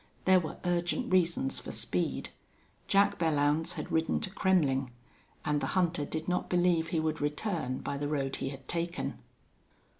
There were urgent reasons for speed. Jack Belllounds had ridden to Kremmling, and the hunter did not believe he would return by the road he had taken.